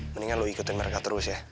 mendingan lo ikutin mereka terus ya